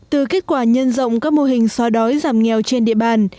từ kết quả nhân rộng các mô hình xoa đói giảm nghèo trên địa bàn